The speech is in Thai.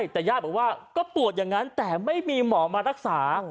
แต่ญาติบอกว่าก็ปวดอย่างนั้นแต่ไม่มีหมอมารักษา